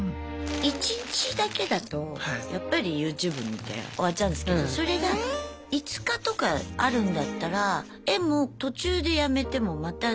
１日だけだとやっぱりＹｏｕＴｕｂｅ見て終わっちゃうんですけどそれが５日とかあるんだったら絵も途中でやめてもまた次の日も描く。